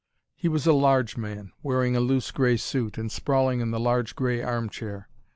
He was a large man, wearing a loose grey suit, and sprawling in the large grey arm chair.